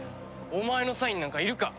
お前のサインなんかいるか！